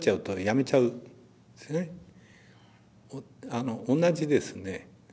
あの同じですね。